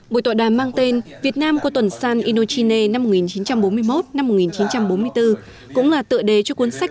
buổi tọa đàm mang tên việt nam qua tuần san indochina năm một nghìn chín trăm bốn mươi một một nghìn chín trăm bốn mươi bốn cũng là tựa đề cho cuốn sách